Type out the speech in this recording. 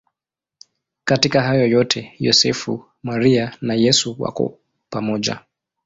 Katika hayo yote Yosefu, Maria na Yesu wako pamoja.